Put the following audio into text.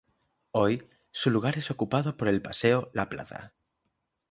Hoy su lugar es ocupado por el Paseo La Plaza.